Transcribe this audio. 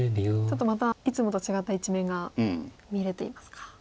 ちょっとまたいつもと違った一面が見れていますか。